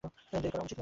দেরি করা উচিত না।